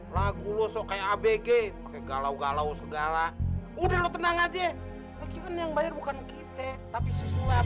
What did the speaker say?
lagu lu sok abg galau galau segala udah lo tenang aja yang bayar bukan kita tapi si sulap